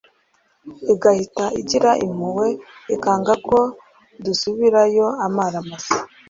igahita igira impuhwe ikanga ko dusubirayo amara masa